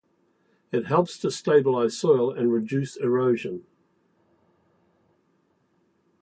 It helps to stabilize soil and reduce erosion.